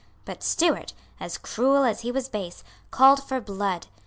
But Stewart, as cruel as he was base, called for blood.